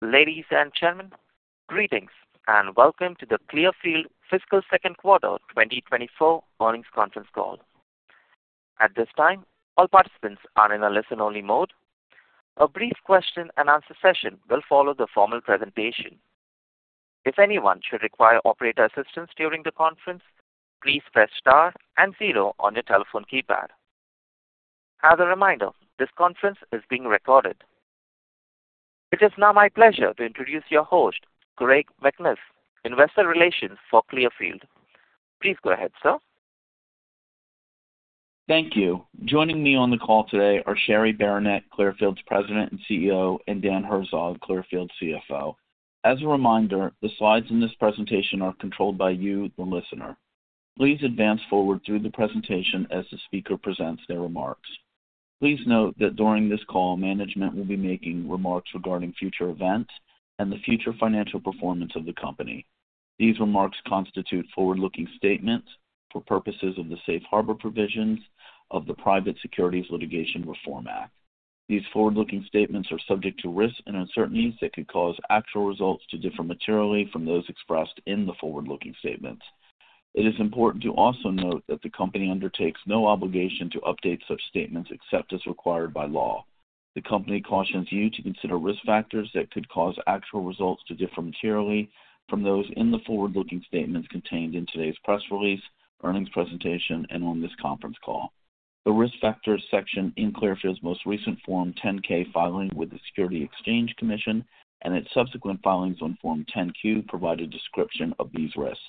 Ladies and gentlemen, greetings and welcome to the Clearfield Fiscal Second Quarter 2024 earnings conference call. At this time, all participants are in a listen-only mode. A brief question-and-answer session will follow the formal presentation. If anyone should require operator assistance during the conference, please press star and zero on your telephone keypad. As a reminder, this conference is being recorded. It is now my pleasure to introduce your host, Greg McNiff, Investor Relations for Clearfield. Please go ahead, sir. Thank you. Joining me on the call today are Cheri Beranek, Clearfield's President and CEO, and Dan Herzog, Clearfield's CFO. As a reminder, the slides in this presentation are controlled by you, the listener. Please advance forward through the presentation as the speaker presents their remarks. Please note that during this call, management will be making remarks regarding future events and the future financial performance of the company. These remarks constitute forward-looking statements for purposes of the Safe Harbor provisions of the Private Securities Litigation Reform Act. These forward-looking statements are subject to risks and uncertainties that could cause actual results to differ materially from those expressed in the forward-looking statements. It is important to also note that the company undertakes no obligation to update such statements except as required by law. The company cautions you to consider risk factors that could cause actual results to differ materially from those in the forward-looking statements contained in today's press release, earnings presentation, and on this conference call. The risk factors section in Clearfield's most recent Form 10-K filing with the Securities and Exchange Commission and its subsequent filings on Form 10-Q provide a description of these risks.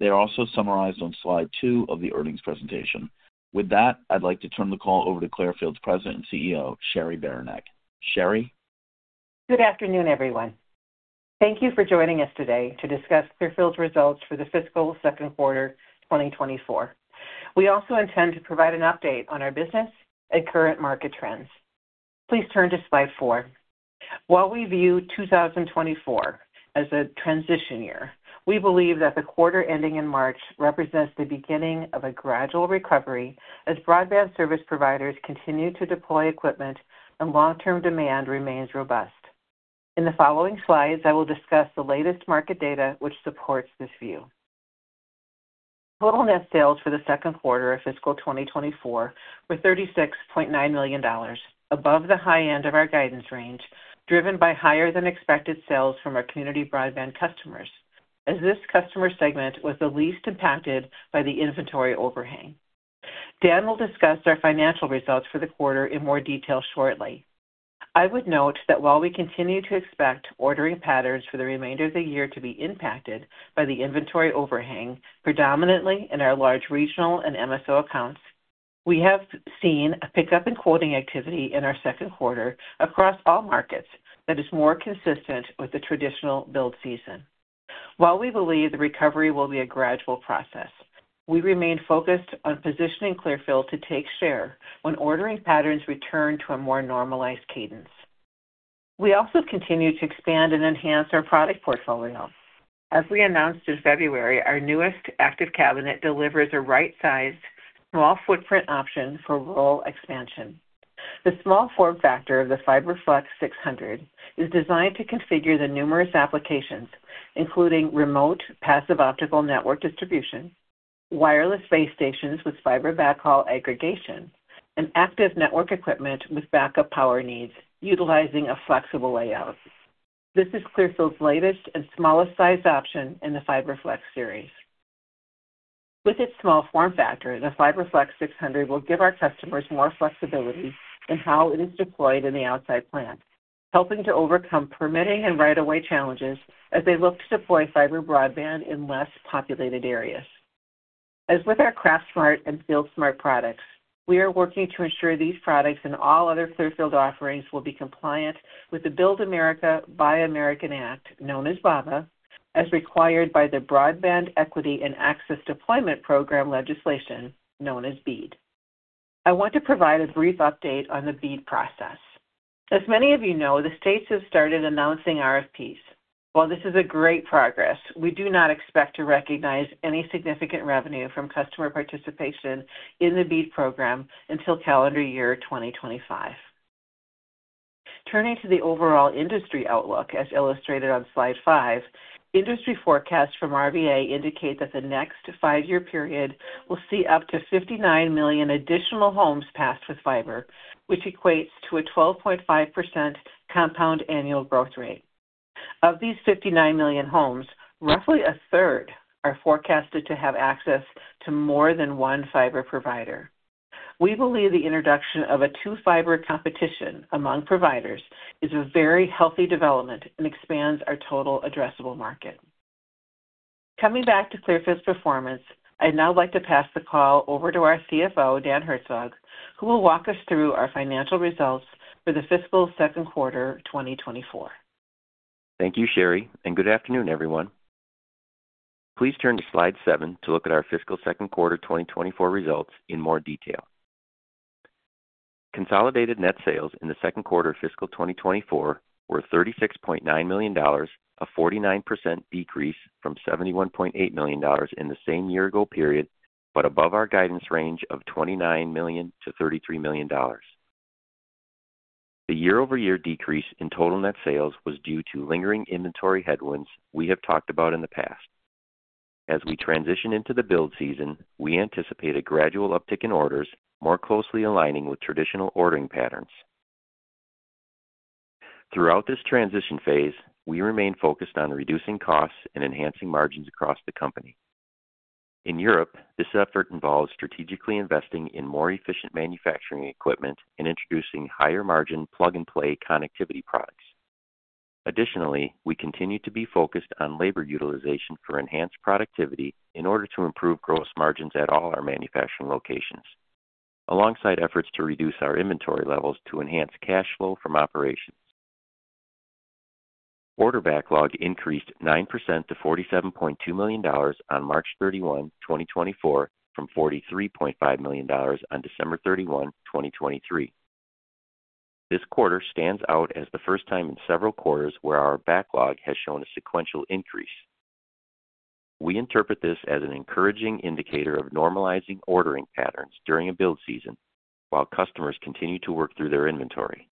They are also summarized on slide 2 of the earnings presentation. With that, I'd like to turn the call over to Clearfield's President and CEO, Cheri Beranek. Cheri? Good afternoon, everyone. Thank you for joining us today to discuss Clearfield's results for the fiscal second quarter 2024. We also intend to provide an update on our business and current market trends. Please turn to slide 4. While we view 2024 as a transition year, we believe that the quarter ending in March represents the beginning of a gradual recovery as broadband service providers continue to deploy equipment and long-term demand remains robust. In the following slides, I will discuss the latest market data which supports this view. Total net sales for the second quarter of fiscal 2024 were $36.9 million, above the high end of our guidance range, driven by higher-than-expected sales from our community broadband customers, as this customer segment was the least impacted by the inventory overhang. Dan will discuss our financial results for the quarter in more detail shortly. I would note that while we continue to expect ordering patterns for the remainder of the year to be impacted by the inventory overhang, predominantly in our large regional and MSO accounts, we have seen a pickup in quoting activity in our second quarter across all markets that is more consistent with the traditional build season. While we believe the recovery will be a gradual process, we remain focused on positioning Clearfield to take share when ordering patterns return to a more normalized cadence. We also continue to expand and enhance our product portfolio. As we announced in February, our newest active cabinet delivers a right-sized, small-footprint option for role expansion. The small form factor of the FiberFlex 600 is designed to configure the numerous applications, including remote passive optical network distribution, wireless base stations with fiber backhaul aggregation, and active network equipment with backup power needs utilizing a flexible layout. This is Clearfield's latest and smallest-sized option in the FiberFlex series. With its small form factor, the FiberFlex 600 will give our customers more flexibility in how it is deployed in the outside plant, helping to overcome permitting and right-of-way challenges as they look to deploy fiber broadband in less populated areas. As with our CraftSmart and FieldSmart products, we are working to ensure these products and all other Clearfield offerings will be compliant with the Build America, Buy America Act, known as BABA, as required by the Broadband Equity, Access, and Deployment Program legislation, known as BEAD. I want to provide a brief update on the BEAD process. As many of you know, the states have started announcing RFPs. While this is a great progress, we do not expect to recognize any significant revenue from customer participation in the BEAD program until calendar year 2025. Turning to the overall industry outlook, as illustrated on slide five, industry forecasts from RVA indicate that the next five-year period will see up to 59 million additional homes passed with fiber, which equates to a 12.5% compound annual growth rate. Of these 59 million homes, roughly a third are forecasted to have access to more than one fiber provider. We believe the introduction of a two-fiber competition among providers is a very healthy development and expands our total addressable market. Coming back to Clearfield's performance, I'd now like to pass the call over to our CFO, Dan Herzog, who will walk us through our financial results for the fiscal second quarter 2024. Thank you, Cheri, and good afternoon, everyone. Please turn to slide 7 to look at our fiscal second quarter 2024 results in more detail. Consolidated net sales in the second quarter of fiscal 2024 were $36.9 million, a 49% decrease from $71.8 million in the same year-ago period but above our guidance range of $29 million-$33 million. The year-over-year decrease in total net sales was due to lingering inventory headwinds we have talked about in the past. As we transition into the build season, we anticipate a gradual uptick in orders more closely aligning with traditional ordering patterns. Throughout this transition phase, we remain focused on reducing costs and enhancing margins across the company. In Europe, this effort involves strategically investing in more efficient manufacturing equipment and introducing higher-margin plug-and-play connectivity products. Additionally, we continue to be focused on labor utilization for enhanced productivity in order to improve gross margins at all our manufacturing locations, alongside efforts to reduce our inventory levels to enhance cash flow from operations. Order backlog increased 9% to $47.2 million on March 31, 2024, from $43.5 million on December 31, 2023. This quarter stands out as the first time in several quarters where our backlog has shown a sequential increase. We interpret this as an encouraging indicator of normalizing ordering patterns during a build season while customers continue to work through their inventory.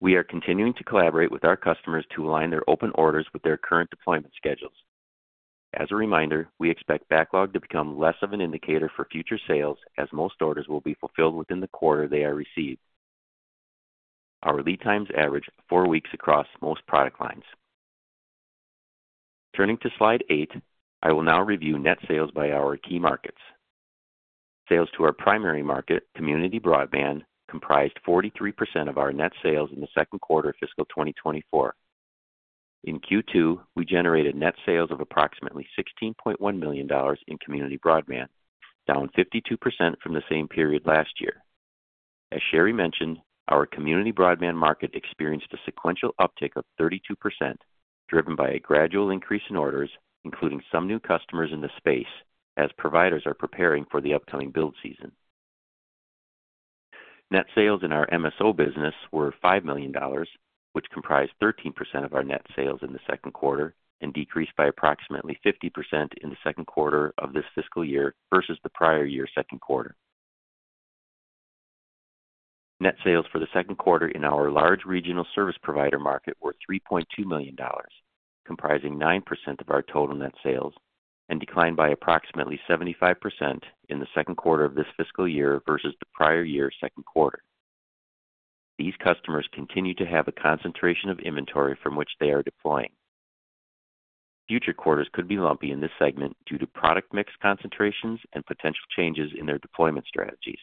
We are continuing to collaborate with our customers to align their open orders with their current deployment schedules. As a reminder, we expect backlog to become less of an indicator for future sales as most orders will be fulfilled within the quarter they are received. Our lead times average four weeks across most product lines. Turning to slide 8, I will now review net sales by our key markets. Sales to our primary market, community broadband, comprised 43% of our net sales in the second quarter of fiscal 2024. In Q2, we generated net sales of approximately $16.1 million in community broadband, down 52% from the same period last year. As Cheri mentioned, our community broadband market experienced a sequential uptick of 32% driven by a gradual increase in orders, including some new customers in the space as providers are preparing for the upcoming build season. Net sales in our MSO business were $5 million, which comprised 13% of our net sales in the second quarter and decreased by approximately 50% in the second quarter of this fiscal year versus the prior year's second quarter. Net sales for the second quarter in our large regional service provider market were $3.2 million, comprising 9% of our total net sales and declined by approximately 75% in the second quarter of this fiscal year versus the prior year's second quarter. These customers continue to have a concentration of inventory from which they are deploying. Future quarters could be lumpy in this segment due to product mix concentrations and potential changes in their deployment strategies.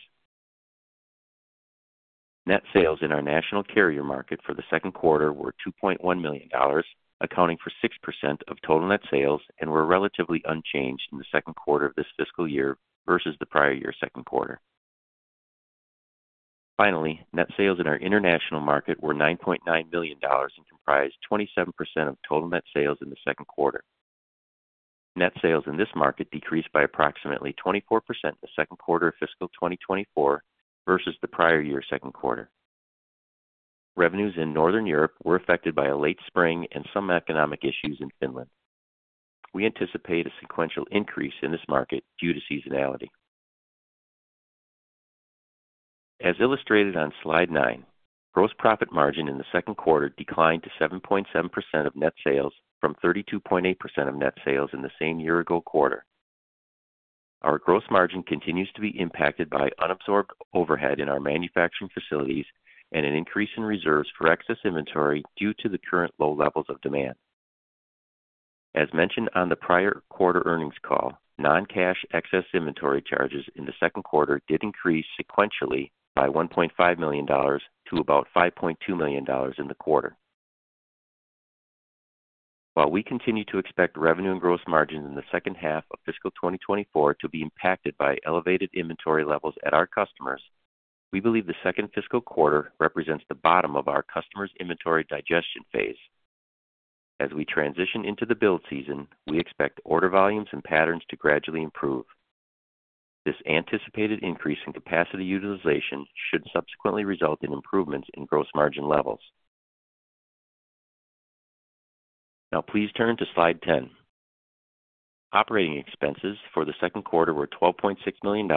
Net sales in our national carrier market for the second quarter were $2.1 million, accounting for 6% of total net sales and were relatively unchanged in the second quarter of this fiscal year versus the prior year's second quarter. Finally, net sales in our international market were $9.9 million and comprised 27% of total net sales in the second quarter. Net sales in this market decreased by approximately 24% in the second quarter of fiscal 2024 versus the prior year's second quarter. Revenues in Northern Europe were affected by a late spring and some economic issues in Finland. We anticipate a sequential increase in this market due to seasonality. As illustrated on slide 9, gross profit margin in the second quarter declined to 7.7% of net sales from 32.8% of net sales in the same year-ago quarter. Our gross margin continues to be impacted by unabsorbed overhead in our manufacturing facilities and an increase in reserves for excess inventory due to the current low levels of demand. As mentioned on the prior quarter earnings call, non-cash excess inventory charges in the second quarter did increase sequentially by $1.5 million to about $5.2 million in the quarter. While we continue to expect revenue and gross margins in the second half of fiscal 2024 to be impacted by elevated inventory levels at our customers, we believe the second fiscal quarter represents the bottom of our customers' inventory digestion phase. As we transition into the build season, we expect order volumes and patterns to gradually improve. This anticipated increase in capacity utilization should subsequently result in improvements in gross margin levels. Now, please turn to slide 10. Operating expenses for the second quarter were $12.6 million,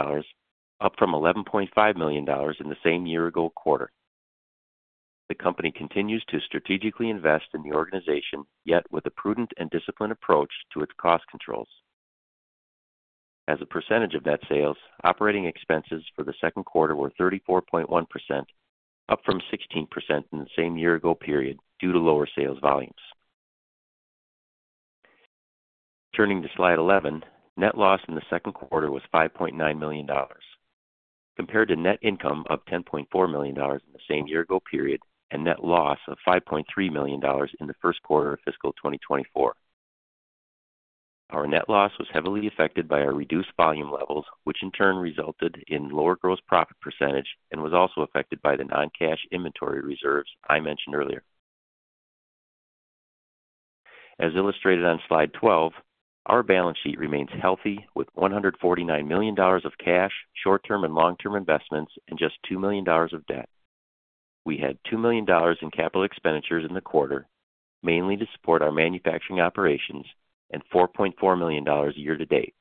up from $11.5 million in the same year-ago quarter. The company continues to strategically invest in the organization, yet with a prudent and disciplined approach to its cost controls. As a percentage of net sales, operating expenses for the second quarter were 34.1%, up from 16% in the same year-ago period due to lower sales volumes. Turning to slide 11, net loss in the second quarter was $5.9 million, compared to net income of $10.4 million in the same year-ago period and net loss of $5.3 million in the first quarter of fiscal 2024. Our net loss was heavily affected by our reduced volume levels, which in turn resulted in lower gross profit percentage and was also affected by the non-cash inventory reserves I mentioned earlier. As illustrated on slide 12, our balance sheet remains healthy with $149 million of cash, short-term and long-term investments, and just $2 million of debt. We had $2 million in capital expenditures in the quarter, mainly to support our manufacturing operations, and $4.4 million year-to-date.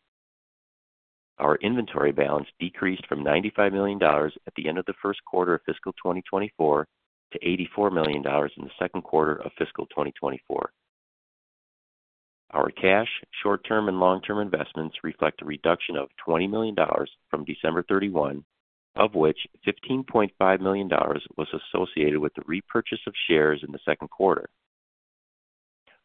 Our inventory balance decreased from $95 million at the end of the first quarter of fiscal 2024 to $84 million in the second quarter of fiscal 2024. Our cash, short-term and long-term investments reflect a reduction of $20 million from December 31, of which $15.5 million was associated with the repurchase of shares in the second quarter.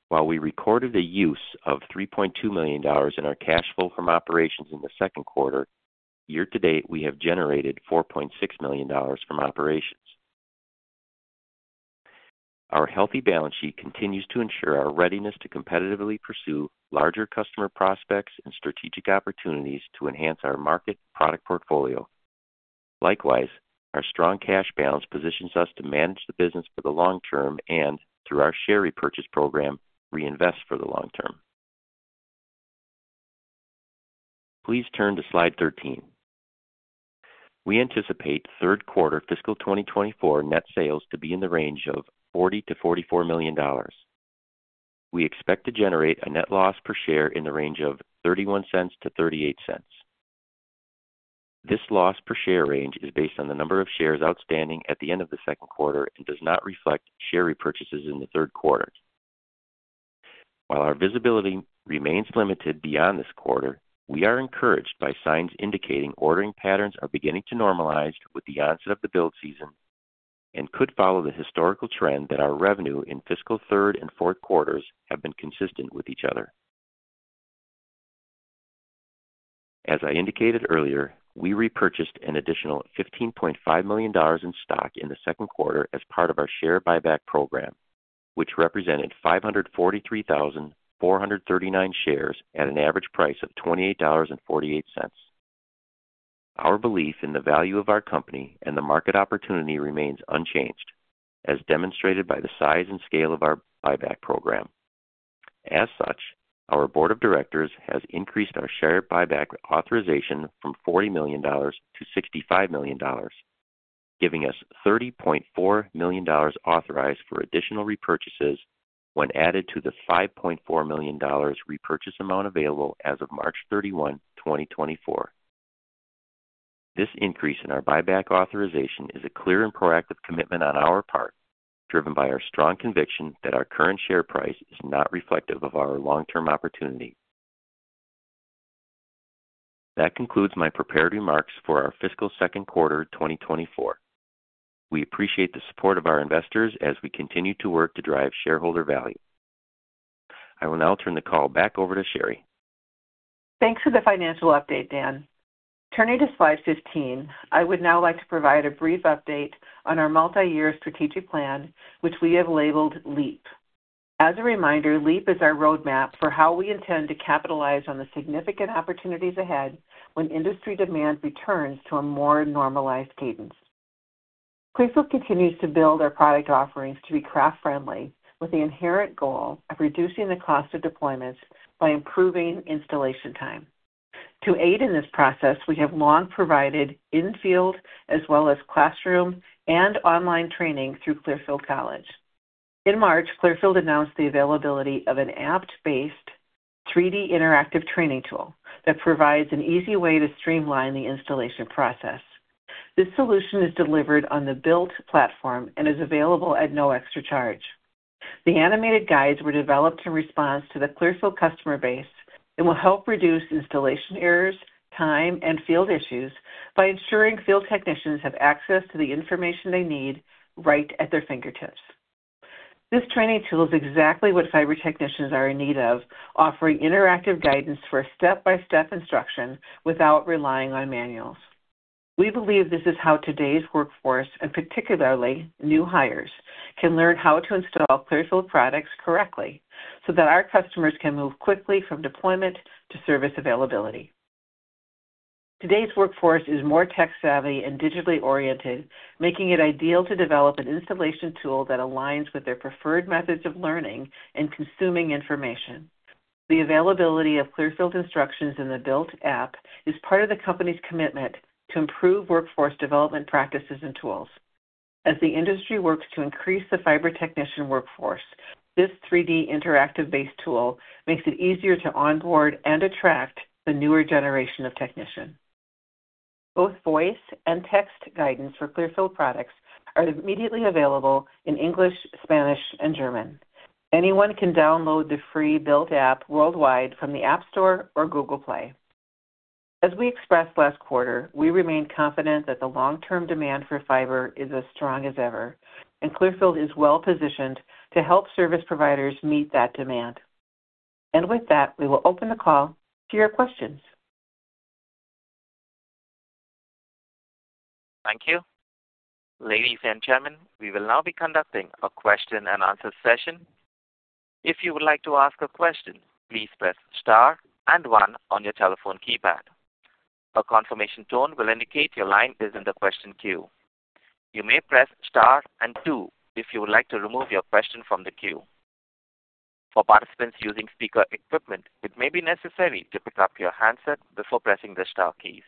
While we recorded a use of $3.2 million in our cash flow from operations in the second quarter, year-to-date we have generated $4.6 million from operations. Our healthy balance sheet continues to ensure our readiness to competitively pursue larger customer prospects and strategic opportunities to enhance our market product portfolio. Likewise, our strong cash balance positions us to manage the business for the long term and, through our share repurchase program, reinvest for the long term. Please turn to slide 13. We anticipate third quarter fiscal 2024 net sales to be in the range of $40 million-$44 million. We expect to generate a net loss per share in the range of $0.31-$0.38. This loss per share range is based on the number of shares outstanding at the end of the second quarter and does not reflect share repurchases in the third quarter. While our visibility remains limited beyond this quarter, we are encouraged by signs indicating ordering patterns are beginning to normalize with the onset of the build season and could follow the historical trend that our revenue in fiscal third and fourth quarters have been consistent with each other. As I indicated earlier, we repurchased an additional $15.5 million in stock in the second quarter as part of our share buyback program, which represented 543,439 shares at an average price of $28.48. Our belief in the value of our company and the market opportunity remains unchanged, as demonstrated by the size and scale of our buyback program. As such, our board of directors has increased our share buyback authorization from $40 million-$65 million, giving us $30.4 million authorized for additional repurchases when added to the $5.4 million repurchase amount available as of March 31, 2024. This increase in our buyback authorization is a clear and proactive commitment on our part, driven by our strong conviction that our current share price is not reflective of our long-term opportunity. That concludes my preparatory remarks for our fiscal second quarter 2024. We appreciate the support of our investors as we continue to work to drive shareholder value. I will now turn the call back over to Cheri. Thanks for the financial update, Dan. Turning to slide 15, I would now like to provide a brief update on our multiyear strategic plan, which we have labeled LEAP. As a reminder, LEAP is our roadmap for how we intend to capitalize on the significant opportunities ahead when industry demand returns to a more normalized cadence. Clearfield continues to build our product offerings to be craft-friendly, with the inherent goal of reducing the cost of deployments by improving installation time. To aid in this process, we have long provided in-field as well as classroom and online training through Clearfield College. In March, Clearfield announced the availability of an app-based 3D interactive training tool that provides an easy way to streamline the installation process. This solution is delivered on the BILT platform and is available at no extra charge. The animated guides were developed in response to the Clearfield customer base and will help reduce installation errors, time, and field issues by ensuring field technicians have access to the information they need right at their fingertips. This training tool is exactly what fiber technicians are in need of, offering interactive guidance for step-by-step instruction without relying on manuals. We believe this is how today's workforce, and particularly new hires, can learn how to install Clearfield products correctly so that our customers can move quickly from deployment to service availability. Today's workforce is more tech-savvy and digitally oriented, making it ideal to develop an installation tool that aligns with their preferred methods of learning and consuming information. The availability of Clearfield instructions in the BILT app is part of the company's commitment to improve workforce development practices and tools. As the industry works to increase the fiber technician workforce, this 3D interactive-based tool makes it easier to onboard and attract the newer generation of technician. Both voice and text guidance for Clearfield products are immediately available in English, Spanish, and German. Anyone can download the free BILT app worldwide from the App Store or Google Play. As we expressed last quarter, we remain confident that the long-term demand for fiber is as strong as ever, and Clearfield is well positioned to help service providers meet that demand. With that, we will open the call to your questions. Thank you. Ladies and gentlemen, we will now be conducting a question-and-answer session. If you would like to ask a question, please press star and one on your telephone keypad. A confirmation tone will indicate your line is in the question queue. You may press star and two if you would like to remove your question from the queue. For participants using speaker equipment, it may be necessary to pick up your handset before pressing the star keys.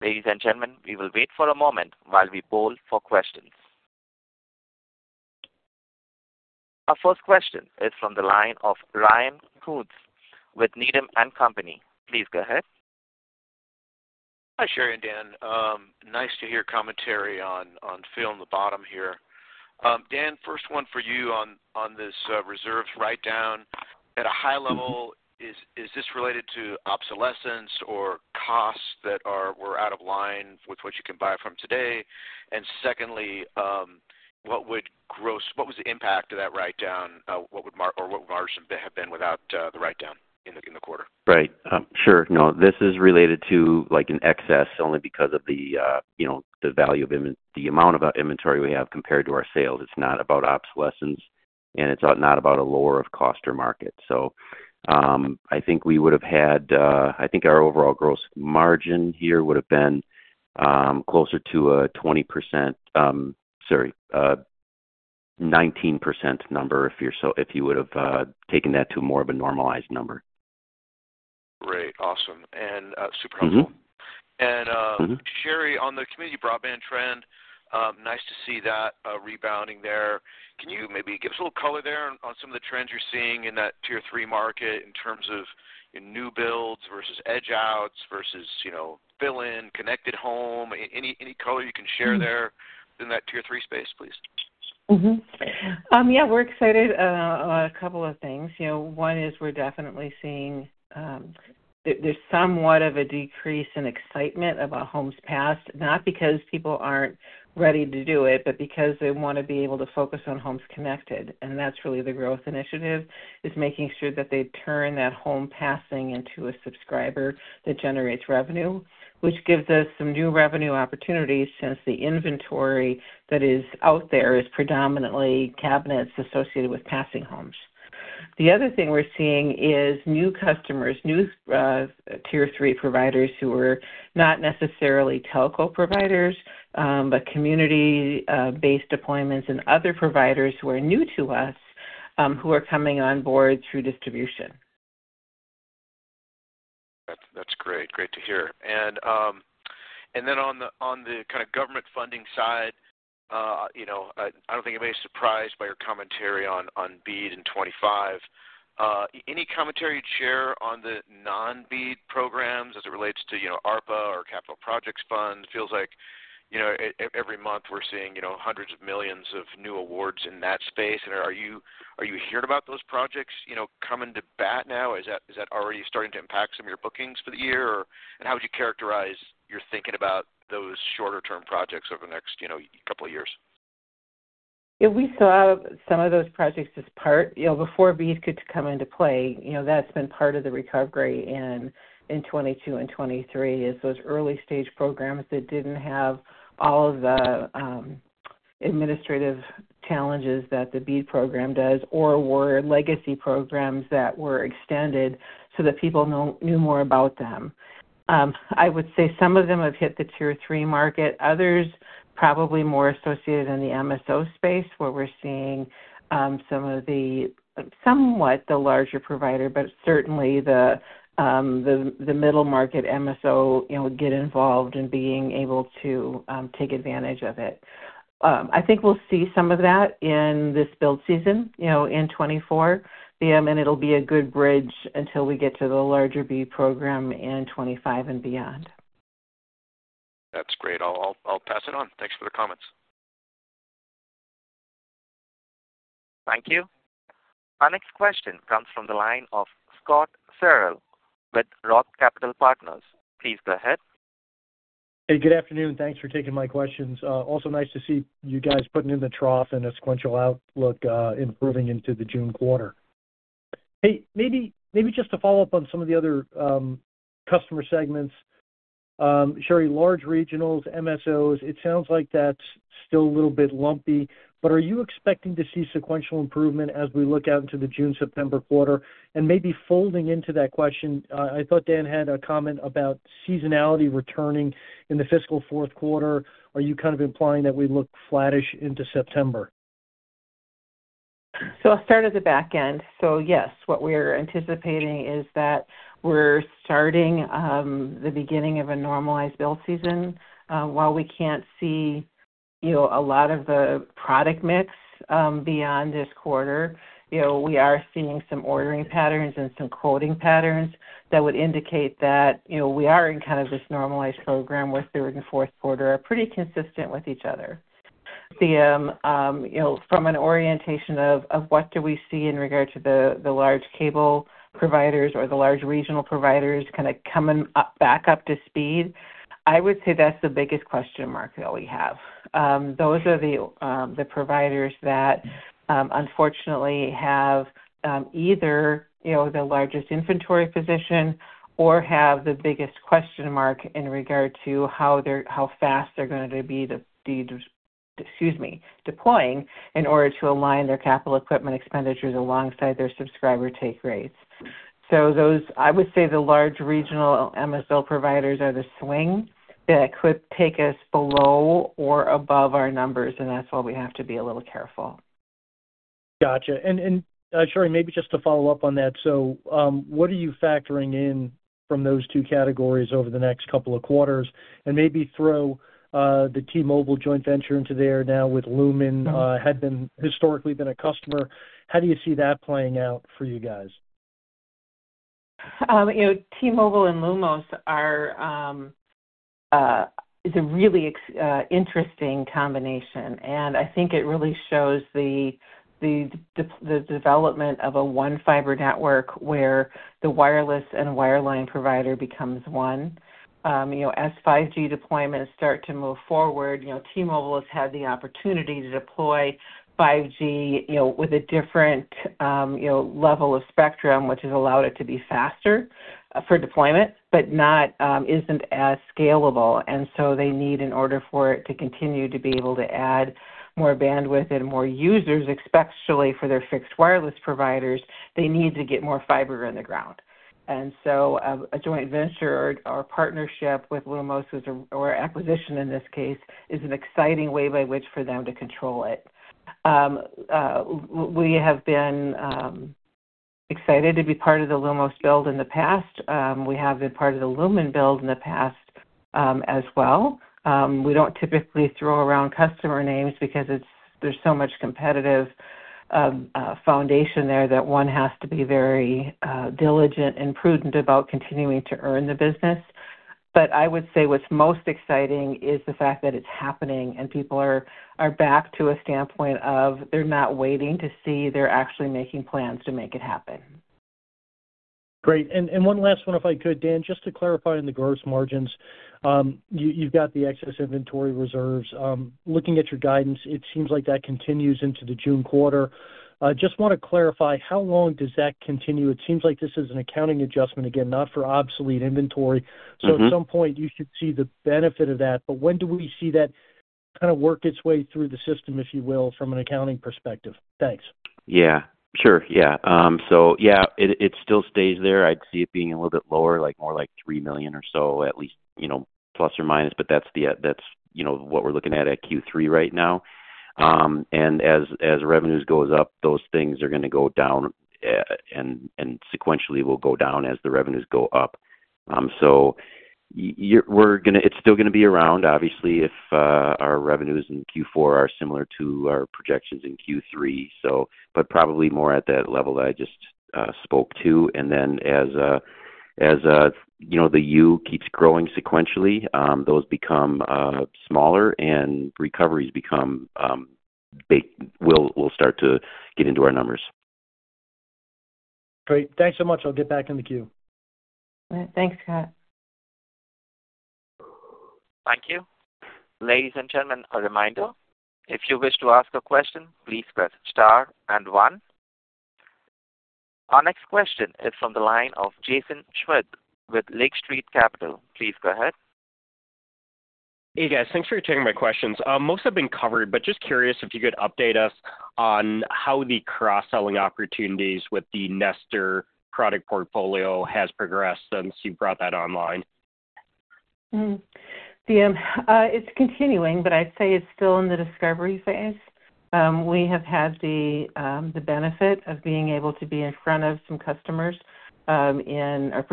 Ladies and gentlemen, we will wait for a moment while we poll for questions. Our first question is from the line of Ryan Koontz with Needham & Company. Please go ahead. Hi, Cheri and Dan. Nice to hear commentary on filling the bottom here. Dan, first one for you on this reserves write-down. At a high level, is this related to obsolescence or costs that were out of line with what you can buy from today? And secondly, what was the impact of that write-down? What would margin have been without the write-down in the quarter? Right. Sure. No, this is related to an excess only because of the value of the amount of inventory we have compared to our sales. It's not about obsolescence, and it's not about a lower of cost or market. So I think we would have had I think our overall gross margin here would have been closer to a 20% sorry, 19% number if you would have taken that to more of a normalized number. Great. Awesome. And super helpful. And Cheri, on the community broadband trend, nice to see that rebounding there. Can you maybe give us a little color there on some of the trends you're seeing in that tier three market in terms of new builds versus edge-outs versus fill-in, connected home? Any color you can share there in that tier three space, please. Yeah, we're excited about a couple of things. One is we're definitely seeing there's somewhat of a decrease in excitement about homes passed, not because people aren't ready to do it, but because they want to be able to focus on homes connected. And that's really the growth initiative, is making sure that they turn that home passing into a subscriber that generates revenue, which gives us some new revenue opportunities since the inventory that is out there is predominantly cabinets associated with passing homes. The other thing we're seeing is new customers, new tier three providers who are not necessarily telco providers, but community-based deployments and other providers who are new to us who are coming on board through distribution. That's great. Great to hear. And then on the kind of government funding side, I don't think anybody's surprised by your commentary on BEAD and 2025. Any commentary you'd share on the non-BEAD programs as it relates to ARPA or capital projects funds? It feels like every month we're seeing $hundreds of millions of new awards in that space. And are you hearing about those projects coming to bat now? Is that already starting to impact some of your bookings for the year? And how would you characterize your thinking about those shorter-term projects over the next couple of years? Yeah, we saw some of those projects as part before BEAD could come into play. That's been part of the recovery in 2022 and 2023, is those early-stage programs that didn't have all of the administrative challenges that the BEAD program does or were legacy programs that were extended so that people knew more about them. I would say some of them have hit the tier three market, others probably more associated in the MSO space where we're seeing some of the somewhat the larger provider, but certainly the middle market MSO get involved and being able to take advantage of it. I think we'll see some of that in this build season in 2024, and it'll be a good bridge until we get to the larger BEAD program in 2025 and beyond. That's great. I'll pass it on. Thanks for the comments. Thank you. Our next question comes from the line of Scott Searle with Roth Capital Partners. Please go ahead. Hey, good afternoon. Thanks for taking my questions. Also nice to see you guys putting in the trough and a sequential outlook improving into the June quarter. Hey, maybe just to follow up on some of the other customer segments. Cheri, large regionals, MSOs, it sounds like that's still a little bit lumpy, but are you expecting to see sequential improvement as we look out into the June, September quarter? And maybe folding into that question, I thought Dan had a comment about seasonality returning in the fiscal fourth quarter. Are you kind of implying that we look flattish into September? So I'll start at the back end. So yes, what we're anticipating is that we're starting the beginning of a normalized build season. While we can't see a lot of the product mix beyond this quarter, we are seeing some ordering patterns and some quoting patterns that would indicate that we are in kind of this normalized program where third and fourth quarter are pretty consistent with each other. From an orientation of what do we see in regard to the large cable providers or the large regional providers kind of coming back up to speed, I would say that's the biggest question mark that we have. Those are the providers that, unfortunately, have either the largest inventory position or have the biggest question mark in regard to how fast they're going to be, excuse me, deploying in order to align their capital equipment expenditures alongside their subscriber take rates. I would say the large regional MSO providers are the swing that could take us below or above our numbers, and that's why we have to be a little careful. Gotcha. And Cheri, maybe just to follow up on that, so what are you factoring in from those two categories over the next couple of quarters? And maybe throw the T-Mobile joint venture into there now with Lumos. Had historically been a customer. How do you see that playing out for you guys? T-Mobile and Lumos is a really interesting combination, and I think it really shows the development of a one-fiber network where the wireless and wireline provider becomes one. As 5G deployments start to move forward, T-Mobile has had the opportunity to deploy 5G with a different level of spectrum, which has allowed it to be faster for deployment but isn't as scalable. And so they need, in order for it to continue to be able to add more bandwidth and more users, especially for their fixed wireless providers, they need to get more fiber in the ground. And so a joint venture or partnership with Lumos or acquisition in this case is an exciting way by which for them to control it. We have been excited to be part of the Lumos build in the past. We have been part of the Lumen build in the past as well. We don't typically throw around customer names because there's so much competitive foundation there that one has to be very diligent and prudent about continuing to earn the business. But I would say what's most exciting is the fact that it's happening, and people are back to a standpoint of they're not waiting to see. They're actually making plans to make it happen. Great. And one last one, if I could, Dan, just to clarify in the gross margins, you've got the excess inventory reserves. Looking at your guidance, it seems like that continues into the June quarter. Just want to clarify, how long does that continue? It seems like this is an accounting adjustment, again, not for obsolete inventory. So at some point, you should see the benefit of that. But when do we see that kind of work its way through the system, if you will, from an accounting perspective? Thanks. Yeah. Sure. Yeah. So yeah, it still stays there. I'd see it being a little bit lower, more like $3 million or so, at least plus or minus, but that's what we're looking at at Q3 right now. And as revenues goes up, those things are going to go down, and sequentially, will go down as the revenues go up. So it's still going to be around, obviously, if our revenues in Q4 are similar to our projections in Q3, but probably more at that level that I just spoke to. And then as the U keeps growing sequentially, those become smaller, and recoveries will start to get into our numbers. Great. Thanks so much. I'll get back in the queue. All right. Thanks, Scott. Thank you. Ladies and gentlemen, a reminder, if you wish to ask a question, please press star and one. Our next question is from the line of Jason Kreyer with Lake Street Capital. Please go ahead. Hey, guys. Thanks for taking my questions. Most have been covered, but just curious if you could update us on how the cross-selling opportunities with the Nestor product portfolio have progressed since you brought that online? It's continuing, but I'd say it's still in the discovery phase. We have had the benefit of being able to be in front of some customers in our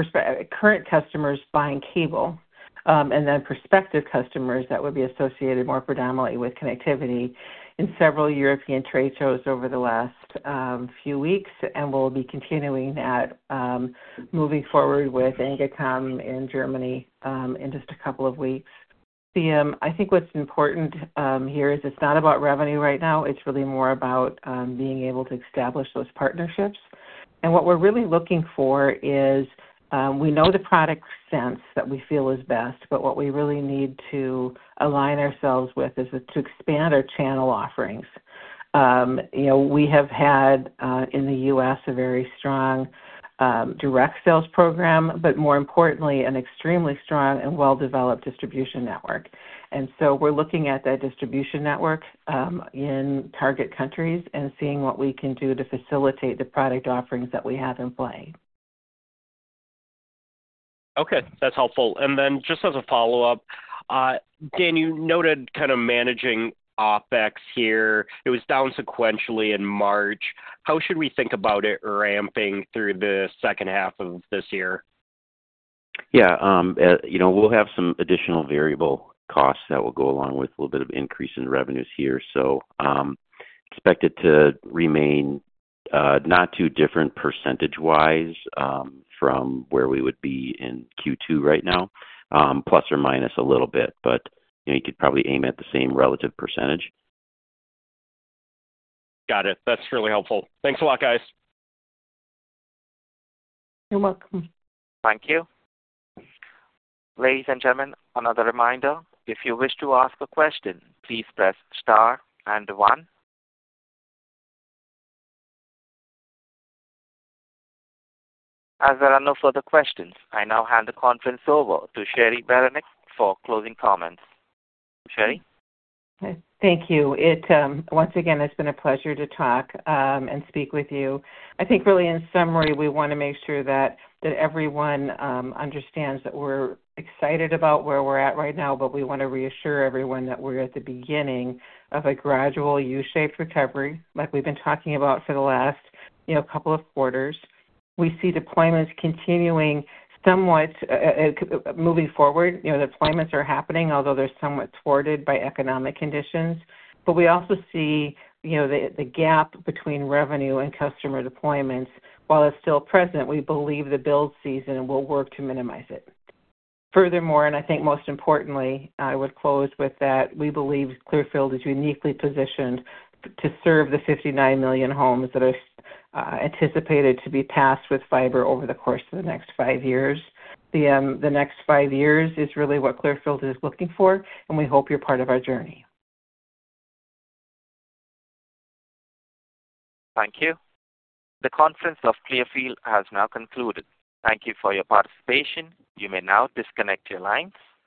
current customers buying cable and then prospective customers that would be associated more predominantly with connectivity in several European trade shows over the last few weeks and will be continuing that moving forward with ANGA COM in Germany in just a couple of weeks. I think what's important here is it's not about revenue right now. It's really more about being able to establish those partnerships. And what we're really looking for is we know the product sense that we feel is best, but what we really need to align ourselves with is to expand our channel offerings. We have had in the U.S. a very strong direct sales program, but more importantly, an extremely strong and well-developed distribution network. We're looking at that distribution network in target countries and seeing what we can do to facilitate the product offerings that we have in play. Okay. That's helpful. And then just as a follow-up, Dan, you noted kind of managing OpEx here. It was down sequentially in March. How should we think about it ramping through the second half of this year? Yeah. We'll have some additional variable costs that will go along with a little bit of increase in revenues here. So expect it to remain not too different percentage-wise from where we would be in Q2 right now, plus or minus a little bit, but you could probably aim at the same relative percentage. Got it. That's really helpful. Thanks a lot, guys. You're welcome. Thank you. Ladies and gentlemen, another reminder, if you wish to ask a question, please press star and one. As there are no further questions, I now hand the conference over to Cheri Beranek for closing comments. Cheri? Thank you. Once again, it's been a pleasure to talk and speak with you. I think really, in summary, we want to make sure that everyone understands that we're excited about where we're at right now, but we want to reassure everyone that we're at the beginning of a gradual U-shaped recovery like we've been talking about for the last couple of quarters. We see deployments continuing somewhat moving forward. The deployments are happening, although they're somewhat thwarted by economic conditions. But we also see the gap between revenue and customer deployments. While it's still present, we believe the build season will work to minimize it. Furthermore, and I think most importantly, I would close with that we believe Clearfield is uniquely positioned to serve the 59 million homes that are anticipated to be passed with fiber over the course of the next five years. The next five years is really what Clearfield is looking for, and we hope you're part of our journey. Thank you. The conference of Clearfield has now concluded. Thank you for your participation. You may now disconnect your lines.